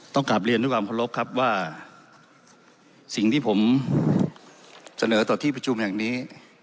กลับเรียนด้วยความเคารพครับว่าสิ่งที่ผมเสนอต่อที่ประชุมแห่งนี้